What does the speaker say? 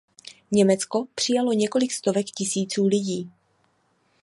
Německo přijalo několik stovek tisíců lidí.